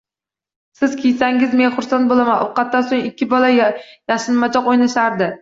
Siz kiysangiz, men xursand bo'laman. Ovqatdan so'ng ikki bola yashinmachoq o'ynashardi.